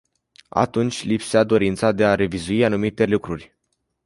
Atunci lipsea dorința de a revizui anumite lucruri.